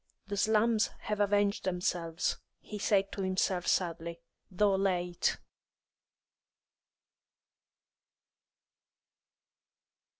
"The slums have avenged themselves," he said to himself sadly, "though late."